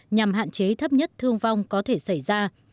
nhằm hạn chế thấp nhất thương vong có thể xảy ra